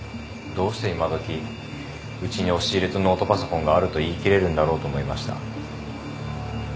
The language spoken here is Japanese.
どうして今どきうちに押し入れとノートパソコンがあると言いきれるんだろうと思いました。